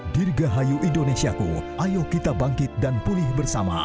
dirgahayu indonesiaku ayo kita bangkit dan pulih bersama